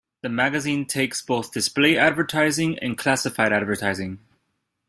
The magazine takes both display advertising and classified advertising.